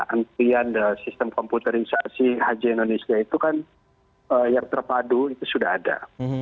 antian sistem komputerisasi haji indonesia itu kan yang terpadu itu sudah ada